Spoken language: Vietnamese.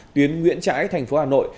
tuyến nguyễn trãi thành phố hà nội